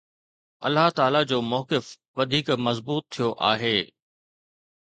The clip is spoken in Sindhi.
الله تعاليٰ جو موقف وڌيڪ مضبوط ٿيو آهي.